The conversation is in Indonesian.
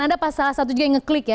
ada salah satu juga yang ngeklik ya